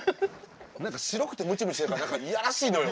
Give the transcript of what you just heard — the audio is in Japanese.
白くてムチムチしてるから何かいやらしいのよ。